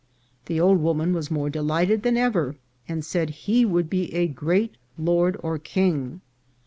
The old woman was more delight ed than ever, and said he would be a great lord or king.